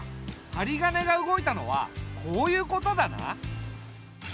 はりがねが動いたのはこういうことだな。